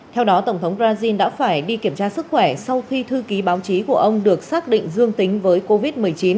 theo đó tổng thống brazil đã phải đi kiểm tra sức khỏe sau khi thư ký báo chí của ông được xác định dương tính với covid một mươi chín